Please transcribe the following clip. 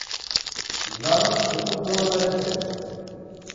I doncs, què conclou que ha de fer?